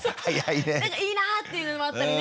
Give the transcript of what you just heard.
なんかいいなぁっていうのもあったりね。